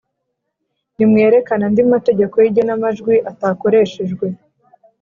Nimwerekane andi mategeko y’igenamajwi atakoreshejwe